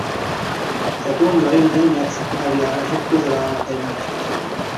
A tundrai nyenyec nyelvjárások közel állnak egymáshoz.